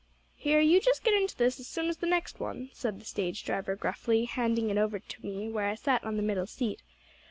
"'Here, you just get into this as soon as the next one,' said the stage driver gruffly, handing it over to me where I sat on the middle seat.